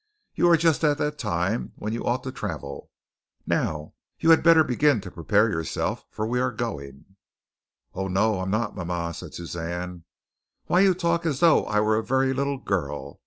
You are just at the time when you ought to travel. Now you had better begin to prepare yourself, for we're going." "Oh, no, I'm not, mama," said Suzanne. "Why, you talk as though I were a very little girl.